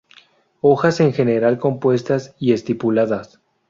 Hojas en general compuestas y estipuladas.